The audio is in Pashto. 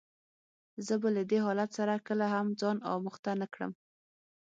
زه به له دې حالت سره کله هم ځان آموخته نه کړم.